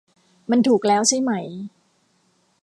มันถูกแล้วใช่ไหม